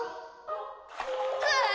うわ！